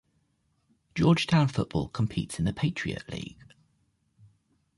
Georgetown football competes in the Patriot League.